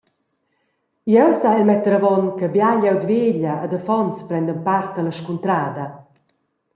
Jeu saiel metter avon che bia glieud veglia ed affons prendan part alla Scuntrada.